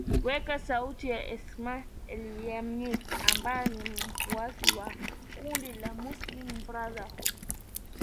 weka sauti ya esam elieliam ambae ni mfuasi wa kundi la muslim brotherhood